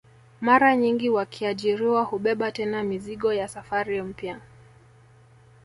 Mara nyingi wakiajiriwa hubeba tena mizigo ya safari mpya